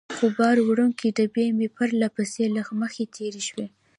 څو بار وړونکې ډبې مې پرله پسې له مخې تېرې شوې.